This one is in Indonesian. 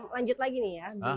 lanjut lagi nih ya